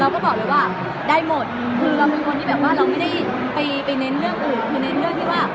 ไม่ได้ไปเน้นเรื่องอู๋ไปเน้นเรื่องที่ว่า